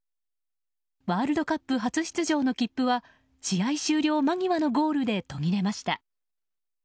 ワールドカップ初出場の切符は試合終了間際のゴールで途切れました。